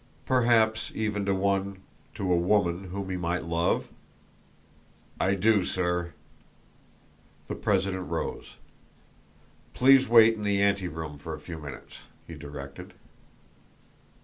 "Perhaps even to one to a woman whom he might love?" "I do, sir." The president rose. "Please wait in the anteroom for a few minutes," he directed.